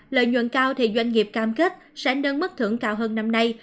lợi nhuận cao thì doanh nghiệp cam kết sẽ nâng mức thưởng cao hơn năm nay